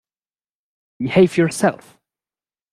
Behave yourself!